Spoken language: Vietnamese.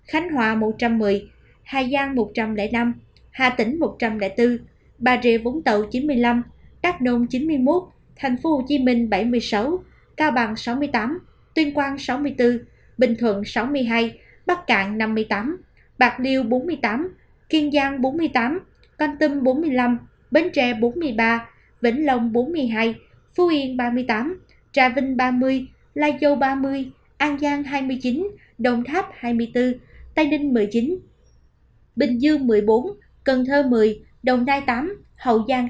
hà nội hai chín trăm tám mươi tám nghệ an một hai trăm bốn mươi bảy đà nẵng chín trăm ba mươi năm đà nông chín mươi một thành phố hồ chí minh bảy mươi sáu cao bằng sáu mươi tám tuyên quang sáu mươi bốn bình thuận sáu mươi hai bắc cạn năm mươi tám bạc điêu bốn mươi tám kiên giang bốn mươi tám canh tâm bốn mươi năm bến tre bốn mươi ba vĩnh lông bốn mươi hai phú yên ba mươi tám trà vinh ba mươi lai châu ba mươi an giang hai mươi chín đồng tháp hai mươi bốn tây ninh một mươi chín bình dương một mươi bốn cần thơ một mươi đồng nai tám hậu giang tám